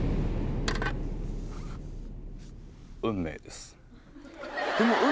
運命です。